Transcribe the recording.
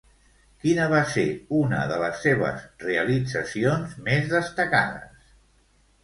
Quina va ser una de les seves realitzacions més destacades?